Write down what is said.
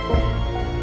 tidak ada apa apa